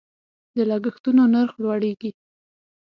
د لګښتونو نرخ لوړیږي.